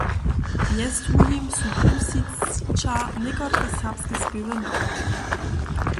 Mjez druhim su kursisća někotre serbske spěwy nawukli.